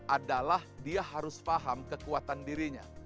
adalah dia harus paham kekuatan dirinya